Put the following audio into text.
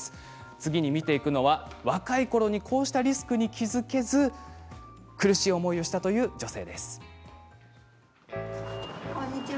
次に見ていくのは若いころこうしたリスクに気付けずに苦しい思いをしたという女性です。